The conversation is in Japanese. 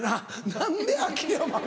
何で秋山が。